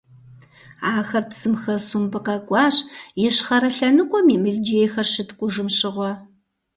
Ахэр псым хэсу мыбы къэкӀуащ, ищхъэрэ лъэныкъуэм и мылджейхэр щыткӀужым щыгъуэ.